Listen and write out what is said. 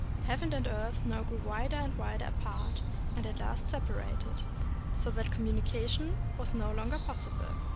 Heaven and earth now grew wider and wider apart, and at last separated, so that communication was no longer possible.